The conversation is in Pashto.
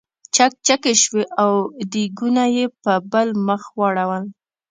چکچکې شوې او دیګونه یې په بل مخ واړول.